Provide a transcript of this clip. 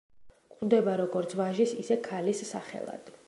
გვხვდება როგორც ვაჟის, ისე ქალის სახელად.